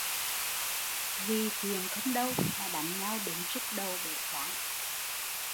Vì chuyện không đâu mà đánh nhau đến sứt đầu bể trán